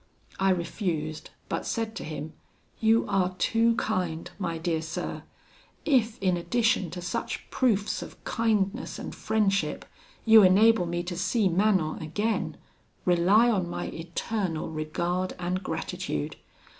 I refused, but said to him, 'You are too kind, my dear sir! If in addition to such proofs of kindness and friendship, you enable me to see Manon again, rely on my eternal regard and gratitude.